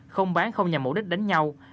không bán không nhằm mục đích đánh nhau